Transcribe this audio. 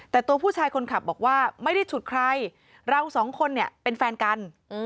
แต่ตัวผู้ชายคนขับบอกว่าไม่ได้ฉุดใครเราสองคนเนี่ยเป็นแฟนกัน